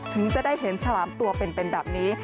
ถึงจะได้เห็นฉลามตัวเป็นแบบนี้